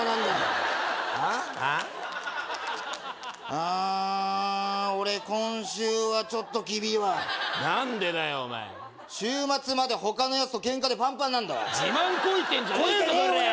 あー俺今週はちょっとキビいわ何でだよお前週末まで他のヤツとケンカでパンパンなんだわ自慢こいてんじゃねえぞコラこいてねえよ